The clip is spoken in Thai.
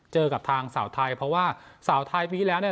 เจอกับทางสาวไทยเพราะว่าสาวไทยปีที่แล้วเนี่ย